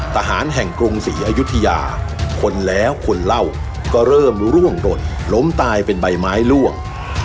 ทหารแห่งกรุงศรีอยุธยาคนแล้วคนเล่าก็เริ่มร่วงหล่นล้มตายเป็นใบไม้ล่วง